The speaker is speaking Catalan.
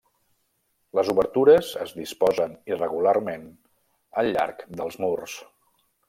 Les obertures es disposen irregularment al llarg dels murs.